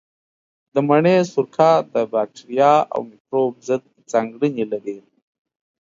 د مڼې سرکه د باکتریا او مېکروب ضد ځانګړنې لري.